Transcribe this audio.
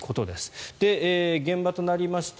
現場となりました